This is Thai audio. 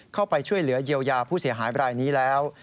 เข้าไปช่วยเหลือเยียวยาผู้เสียหายบรายนี้แล้ว